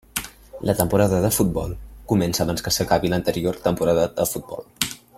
La temporada de futbol comença abans que s'acabi l'anterior temporada de futbol.